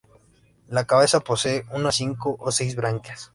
La cabeza posee unas cinco o seis branquias.